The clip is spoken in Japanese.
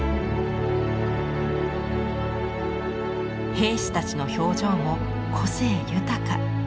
兵士たちの表情も個性豊か。